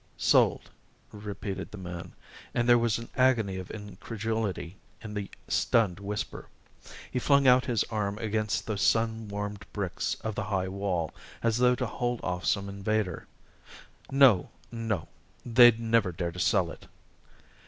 "Sold?" repeated the man, and there was an agony of incredulity in the stunned whisper. He flung out his arm against the sun warmed bricks of the high wall as though to hold off some invader. "No, no; they'd never dare to sell it."